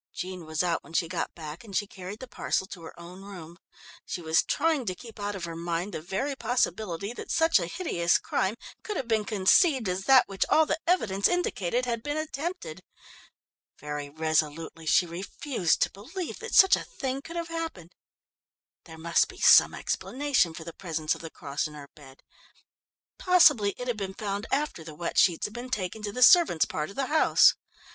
Jean was out when she got back and she carried the parcel to her own room. She was trying to keep out of her mind the very possibility that such a hideous crime could have been conceived as that which all the evidence indicated had been attempted. Very resolutely she refused to believe that such a thing could have happened. There must be some explanation for the presence of the cross in her bed. Possibly it had been found after the wet sheets had been taken to the servants' part of the house.